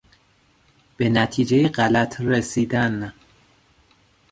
به نتیجهی غلط رسیدن